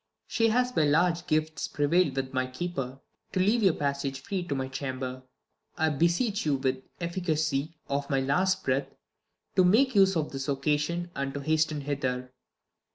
She has by large gifts prevail'd with my keeper to leave your passage free to my chamber. I beseech you, with the efficacy of my last breath, to make use of this occasion and to hasten hither.